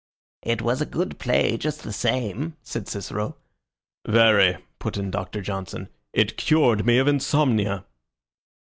"It was a good play, just the same," said Cicero. "Very," put in Doctor Johnson. "It cured me of insomnia."